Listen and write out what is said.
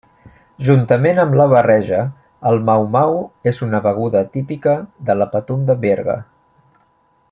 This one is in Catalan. Juntament amb la barreja, el mau-mau és una beguda típica de la Patum de Berga.